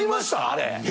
あれ。